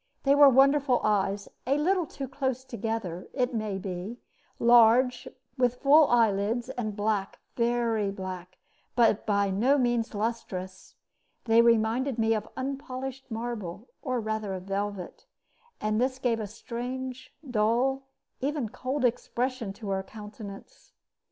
They were wonderful eyes a little too close together, it may be, large, with full eyelids, and black, very black, but by no means lustrous; they reminded me of unpolished marble, or rather of velvet, and this gave a strange, dull, even cold expression to her countenance.